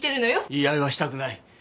言い合いはしたくない。